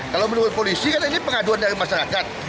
kalau menurut polisi kan ini pengaduan dari masyarakat